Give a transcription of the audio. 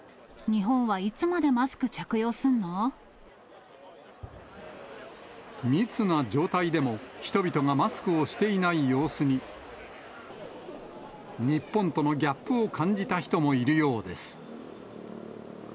日本はいつまでマスク着用す密な状態でも、人々がマスクをしていない様子に、日本とギャップを感じた人もいるようです。